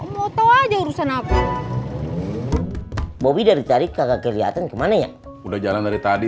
motor aja urusan apa bobby dari tadi kagak kelihatan ke mana ya udah jalan dari tadi